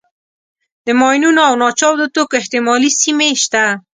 د ماینونو او ناچاودو توکو احتمالي سیمې شته.